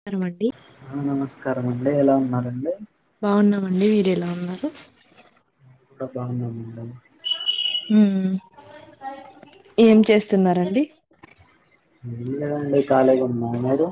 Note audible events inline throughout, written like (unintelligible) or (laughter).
నమస్కారమండి నమస్కారం అండి ఎలా ఉన్నారండి బాగున్నమండి మీరు ఎలా ఉన్నారు ఆ బాగున్నం అండి హుమ్ హు ఏం చేస్తున్నరండి ఏం లేదండి కాలిగా ఉన్నం మీరు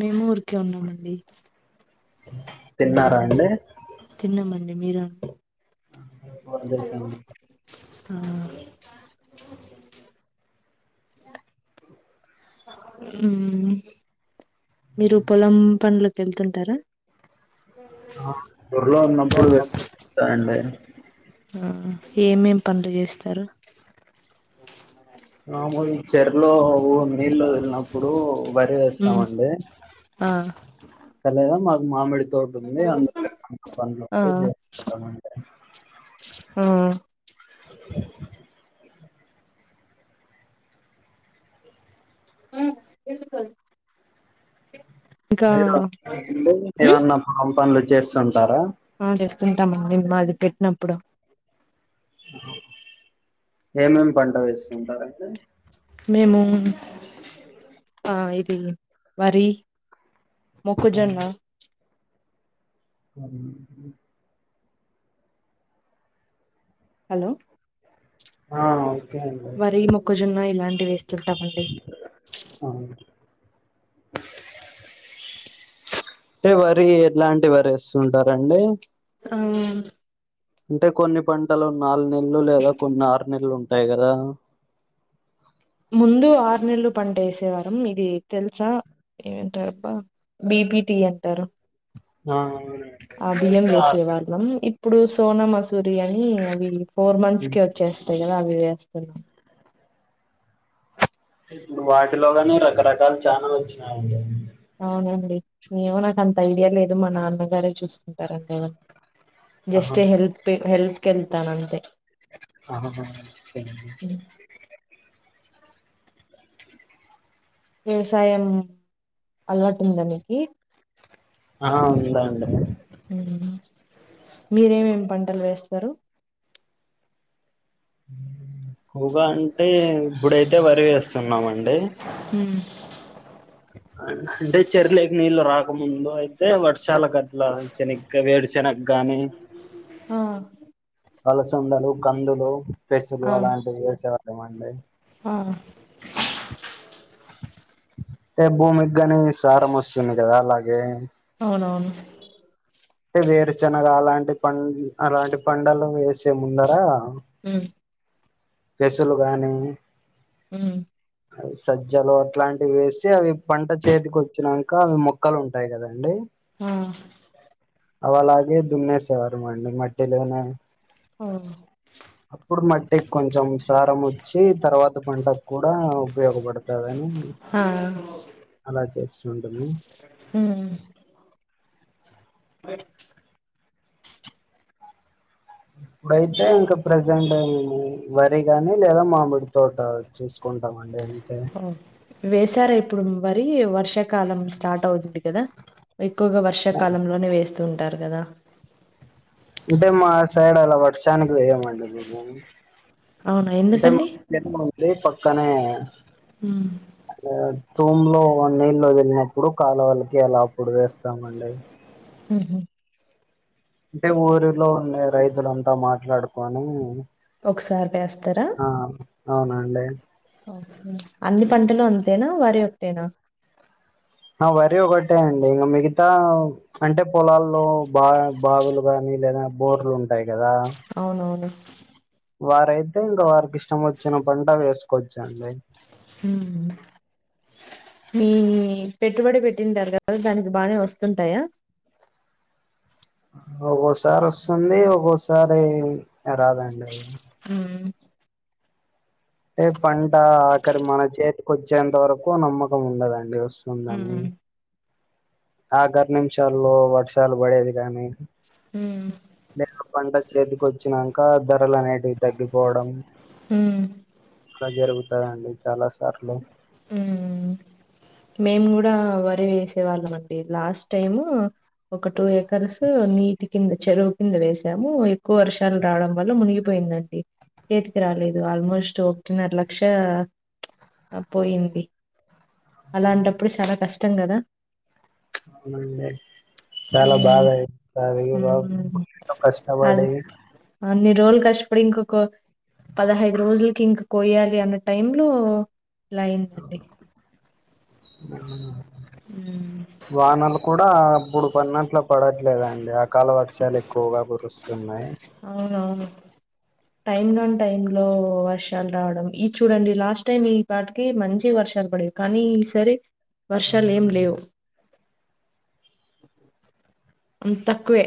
మేము ఊరికే ఉన్నామండి తిన్నారా అండి తిన్నాం అండి మీరు అండి ఫోన్ హలో చేశాను మ్ మీరు పొలం పనులకు వెళ్తుంటారా ఆ ఊర్లో ఉన్నప్పుడు వెళ్తుంటా అండి ఆ ఏం ఏం పనులు చేస్తారు మాముల్ ఈ చెర్లో నీళ్ళ వదిలినపుడు ఉ హ సలే మాకు మామిడి తోట ఉంది అందులో మా పనులు ఆ చేపిస్తామండి ఉ ఉ ఇంకా మ్మ్? ఏవన్నా ప పనులు చేస్తుంటారా ఆ చేస్తుంటామం అండి మాది పెట్టినప్పుడు ఏమేమి పంటలేస్తుంటారు అండి మేము ఆ ఇది వరి మొక్కజొన్న అ హలో ఆ ఆ వరీ మొక్కజొన్న ఇలాంటి వేస్తుంటామండి అవును అంటే వరి ఎట్లాంటి వరి వేస్తుంటారండి ఉ అంటే కొన్ని పంటలు నాలుగు నెలలు లేదా కొన్ని ఆరు నెలలు ఉంటాయి కదా ముందు ఆరు నెలలు పంట వేసేవాలం ఇది తెలుసా ఏటబ్బా బిపిటి అంటారు ఆహ ఆ బియ్యం వేసే వాళ్ళం ఇప్పుడు సోనమాస్ దుర్యయని అని అవి ఫోర్ మంత్స్ కి వచ్చేస్తాయి కదా అవి వేస్తున్నా వాటిలోగానీ రకరకాల ఛానలు వచ్చినాయండి అవును అండి ఏమో నాకు అంత ఐడియా లేదు మా నాన్న గారే చూసుకుంటారు ఎదేనా ఆహా జస్ట్ హెల్ప్ హల్ప్ కి వెళ్తాను అంతే ఆహా హ్మ్. వ్యవసాయం అలవాటు ఉందా మీకి ఆహా ఉంది అండి మీరు ఏం ఏం పంటలు వేస్తారు క్కువగా అంటే ఇప్పుడైతే వరి వేస్తున్నామండి ఉ అంటే చెర్లేకి నీళ్లు రాక ముందు అంటే వర్షాల గట్ల శనగ్గా వేడి శనగ్ గాని ఆ అలసందలు కందులు పెసులు ఆ! అలాంటివి వేసేవాళ్ళమండి ఆ అంటే భూమికిగాని సారం వస్తుంది కదా అలాగే అవునవును అంటే వేరుశనగా అలాంటి పం అలాంటి పండలు వేసే ముందర ఉ పెసులు గాని ఉ సజ్జలు అట్లాంటివి వేసి అవి పంట చేతికి వచ్చినంక అవి మొక్కలు ఉంటాయి కదా అండి ఉ అవి అలాగే దున్నేసేవారు మండి మట్టిలోనే ఓచ్ అప్పుడు మట్టికి కొంచెం సారం వచ్చి తర్వాత పంట కూడా ఉపయోగపడుతదని ఆ అలా చేస్తు వుండిమి ఉమ్ ఇప్పుడైతే ఇంకా ప్రెజెంట్ అయింది వరి గాని లేదా మామిడి తోట చూసుకుంటామండి అంతే ఓ వేశారా ఇప్పుడు వరి వర్షాకాలం స్టార్ట్ అవుతుంది కదా ఎక్కువగా వర్షాకాలంలోనే వేస్తూ ఉంటారు కదా అంటే మా సైడ్ అలా వర్షానికి వేయమండి మేము అవునా అంటే మా ఎందుకండి దేన్వ ఉంది పక్కనే ఉ అంటే తూమ్లో నీళ్ల్లో వదిలినప్పుడు కాలువళ్లకి అలా అప్పుడు వేస్తామండి ఉహు అంటే ఊరిలో ఉండే రైతులంతా మాట్లాడుకొని ఒకసారి వేస్త ఆ అవునండి అన్ని పంటలు అంతేనా వరి ఒకటేనా ఆ వరి ఒకటే అండి ఇంక మిగతా అంటే పొలాల్లో బా బావులు గాని లేదా బోర్లు ఉంటాయి కదా అవునవును వారైతే ఇంకా వారికి ఇష్టం వచ్చిన పంట వేసుకోవచ్చండి ఉహు మీ పెట్టుబడి పెట్టిన తర్వాత దానికి బానే వస్తుంటాయా ఒక్కోకసారి వస్తుంది ఒక్కోక్కసారి రాదండి ఉమ్ ఏ పంట ఆఖరి మన చేతికి ఓచ్చేంత వరకు నమ్మకం ఉండదండి వస్తుందని ఉమ్ ఆఖరి నిమిషాల్లో వర్షాలు పడేది గానీ ఉమ్ లేక పంట చేతికి వచ్చినంక ధరలు అనేటివి తగ్గిపోవడం హుమ్ ఇట్లా జరుగుతయండి చాలా సార్లు హుమ్ మేము కూడా వరి వేసే వాళ్ళమండి లాస్ట్ టైము ఒక టూ ఏకర్స్ నీటి కింద చెరువు కింద వేసాము ఎ క్కువ వర్షాలు రావడం వల్ల మునిగిపోయిందండి చేతికి రాలేదు ఆల్మోస్ట్ ఒకటిన్నర లక్ష అ పోయింది అలాంటప్పుడు చాలా కష్టం గదా అవునండి చాలా హ్మ్. బాదయితది (inaudible) హ్మ్. ఎంతో అది కష్టబడ్డది అన్ని రోజ్ల్ కష్ట్పడి ఇంకొక పదహైదు రోజుల్కి ఇంక కోయాలి అన్న టైం లో ఇలైన్దండి (unintelligible) ఉమ్ వానలు కూడా అప్పుడు పన్నంట్లు పడట్లేదండి అకాల వర్షాలెక్కువగా కురుస్ ఉన్నయ్ అవునవును టైం గాని టైంలో వర్షాల్ రావడం ఈ చూడండి లాస్ట్ టైం ఈ ఇపాటికి మంచి వర్షాల్ పడేవి కానీ ఈసారి వర్షాలేం లేవ్ అవునండి. అం తక్కువే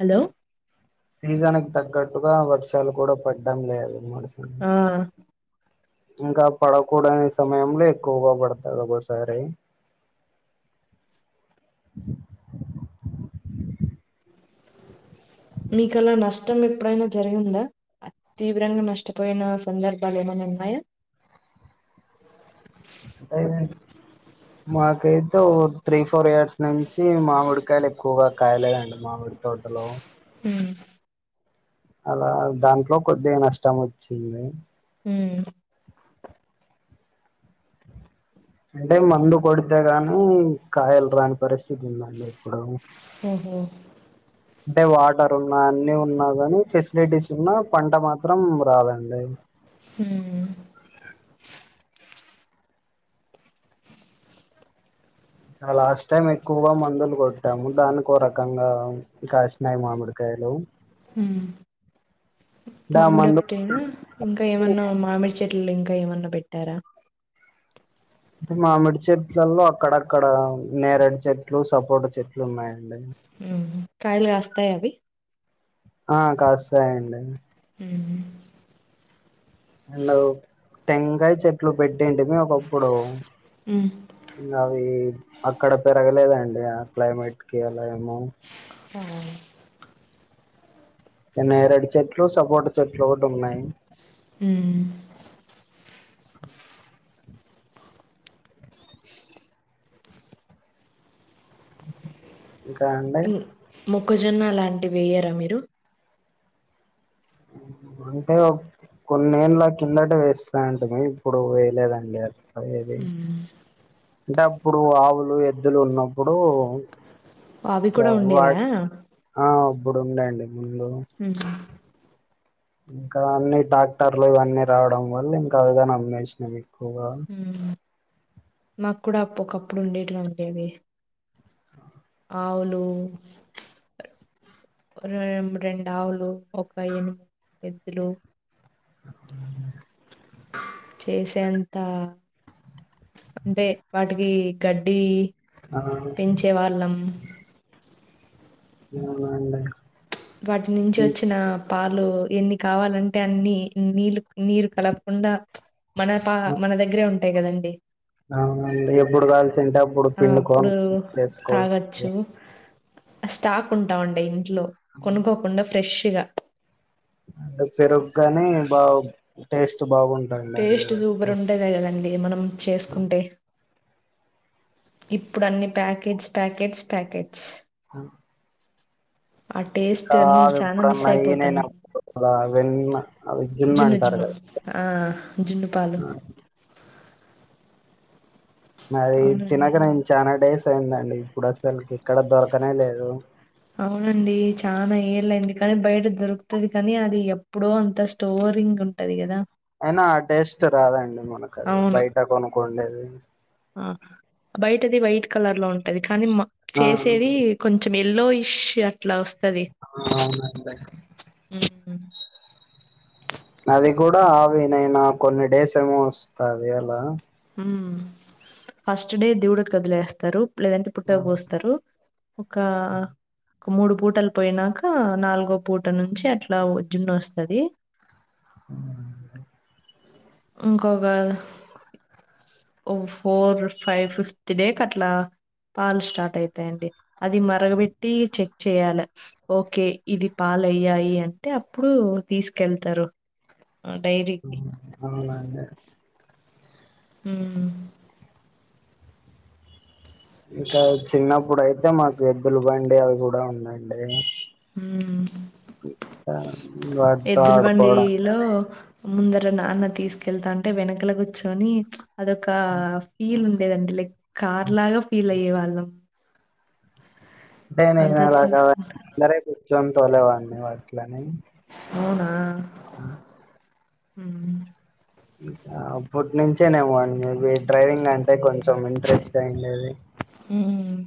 హలో సీజన్క్ తగ్గట్టుగా వర్షాలు కూడా పడ్డం లేదు (unintelligible) ఆ ఇంకా పడకూడని సమయంలో ఎక్కువగా పడ్తది ఒకోసారి మీకలా నష్టం ఎప్పుడైనా జరిగిందా అ తీవ్రంగా నష్టపోయిన సందర్భాలు ఏమన ఉన్నాయా (inaudible) మాకైతే ఓ త్రీ ఫోర్ ఇయర్స్ నుంచి మామిడికాయలు ఎక్కువగా కాయలేదండి మామిడ్ తోటలో ఉమ్ అలా దాంట్లో కొద్దిగా నష్టం ఒచ్చింది ఉమ్ అంటే మందు కొడితేగాని కాయలు రాని పరిస్థితి ఉందండి ఇప్పుడు హ్మ్ హు అంటే వాటర్ ఉన్నా అన్ని ఉన్నా గాని ఫెస్లిటీస్ ఉన్నా పంట మాత్రం రాదండి హుమ్ అవి లాస్ట్ టైం ఎక్కువగా మందులు గొట్టాము దానికో రకంగా కాష్నయి మామిడికాయలు ఉమ్ దా మందుకి మామిడొక్టేనా ఇంకా ఏమన్నా మామిడ్ చెట్లు ఇంకా ఏమన్నా బెట్టారా అంటే మామిడి చెట్లల్ల అక్కడక్కడ నేరేడు చెట్లు సపోట చెట్లు ఉన్నాయండి ఉమ్ హు కాయల్ గాస్తాయ అవి ఆ కాస్తాయండి ఉమ్ హు హలో టెంగల్ చెట్లు పెట్టింటి మీ ఒకప్పుడు ఉమ్ ఇంగవి అక్కడ పెరగలేదండి ఆ క్లైమేట్ కి అల ఎమో హా నేరేడు చెట్లు సపోట చెట్లు ఒకటున్నయ్ ఉమ్ ఇంకా అన్ ఇన్ మొక్కజొన్న లాంటివి వెయ్యరా మీరు (unintelligible) కొన్నేండ్ల కిందట వేస్తాంటిమి ఇప్పుడు వేయ్లేదండి అట్ల ఇది మ్మ్. అంటే అప్పుడు ఆవులు ఎద్దులు ఉన్నప్పుడు అవి ఇట్లా కూడా ఉండేవా వాట్ ఆ అప్పుడు ఉండే అండి ముందూ ఊ ఇంక అన్ని ట్రాక్టర్లు ఇయన్నీ రావడం వల్ల ఇంకా అవిగని అమ్మేశ్నా ఎక్కువగా ఉమ్ మాకు కూడా అప్పు ఒకప్పుడు ఉండేటియి ఉండేవి ఆవులు రెం రెండు ఆవులు ఒక ఎని ఎద్దులు చేసేంత అంటే వాటికి గడ్డి ఆ పెంచే వాళ్ళం అవునా అండి వాటి నుంచివచ్చిన పాలు ఎన్ని కావాలంటే అన్ని నీళ్ళు నీరు కలపకుండా మన పా మన దగ్గరే ఉంటాయి గదండి అవునం ఎప్పుడు కావాల్సుంటే అప్పుడు పిండుకోని చేస్కొ చ్చు స్టాక్ ఉంటా ఉండే ఇంట్లో కొనుక్కోకుండా ఫ్రెష్గా అండ్ పెరుగుగాని బా టేస్ట్ బాగుంటు టేస్ట్ సూపర్ ఉంటది గదండి మనం చేస్కుంటే ఇప్పుడన్ని పాకెట్స్ పాకెట్స్ పాకెట్స్ టేస్ట్ ఇంకా అన్నీ చానా మిస్ అవెప్పుడన్నా అయిపోతన్నాం. ఈనినప్పుడు ఆ వెన్న అదే జున్ను అంటారు గద ఆ! జున్ను పాలు. అది అవునండి. తినక నేన్ చాలా డేస్ అయిందండి ఇప్పుడు అసలు ఎక్కడ దొరకనే లేదు అవునండి చానా ఏళ్ళైంది కానీ బయట దొర్కుతది కానీ అది ఎ ఎప్పుడో అంత స్టోరింగ్ ఉంటది గదా అయినా ఆ టేస్ట్ రాదండి మనకది అవును. బయట కొనుక్కుండేది ఆ బైటది వైట్ కలర్లో ఉంటది కానీ మ ఆ చేసేవి కొంచెం ఎల్లోఇష్ అట్లా వస్తది ఆ అవునండి మ్మ్ అది కుడా (unintelligible) కొన్ని డేస్ ఏమో ఒస్తది అలా మ్మ్ ఫస్ట్ డే దూడకి వదిలేస్తారు లేదంటే ఆ పుట్టకు పోస్తరు ఒకా హ్మ్. ఒక మూడు పూటలు పోయినాక నాల్గో పూట నుంచి అట్లా ఓ జున్నొస్తది అవునండి ఇంకోగా ఓ ఫోర్ ఫై ఫిఫ్త్ డే కట్లా పాలు స్టార్ట్ అయితయండి అది మరగబెట్టి చెక్ చేయాలె ఓకే ఇది పాలయ్యాయి అంటే అప్పుడు తీస్కెళ్తరు ఆ డైలీ మ్మ్ అవునా అండి హ్మ్ ఇంకా చిన్నప్పుడయితే మాకు ఎద్దుల బండి అవి గూడా ఉందండి హ్మ్ ఆ! వాటితో ఎద్దుల బండి ఆడుకోవడం లో కానీ, ముందర నాన్న తీసుకెళ్తాంటే వెనకల గుచ్చొని అధొకా ఫీల్ ఉ లేదండి లైక్ కార్ లాగా ఫీల్ అయ్యే వాళ్ళం అంటే నేను అంతా అలాగా చూసుకుంటా. ముందరే కూర్చొని తోలేవాన్ని వడ్లని అవునా అవున మ్మ్ అప్పటి నుంచేనేమో అండి మేబి డ్రైవింగ్ అంటే కొంచెం ఇంట్రెస్ట్ అయ్యుండేది మ్మ్ మ్మ్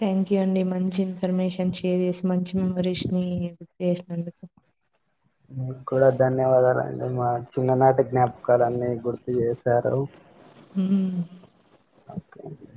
థ్యాంక్యూ అండి మంచి ఇన్ఫర్మేషన్ షేర్ చేసి మంచి మెమోరిష్ ని గుర్తు ఎసినందుకు మికు కూడా ధన్యవాదాలండి మా చిన్ననాటి జ్ఞాపకాలన్ని గుర్తు చే సారు మ్మ్ ఓకే అండి